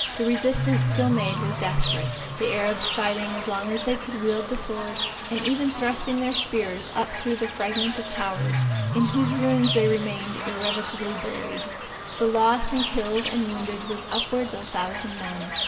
The resistance still made was desperate; the Arabs fighting as long as they could wield the sword, and even thrusting their spears up through the fragments of towers, in whose ruins they remained irrevocably buried. The loss in killed and wounded was upwards of a thousand men.